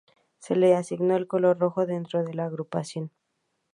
Se le asignó el color Rojo, dentro de la agrupación.